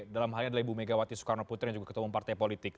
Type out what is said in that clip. dalam halnya adalah ibu megawati soekarnoputri yang juga ketua umum partai politik